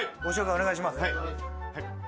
お願いします。